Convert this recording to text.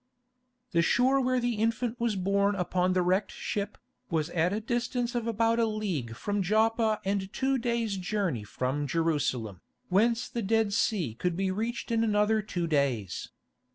The shore where the infant was born upon the wrecked ship, was at a distance of about a league from Joppa and two days' journey from Jerusalem, whence the Dead Sea could be reached in another two days.